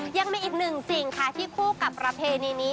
ยังมีอีกหนึ่งสิ่งค่ะที่คู่กับประเพณีนี้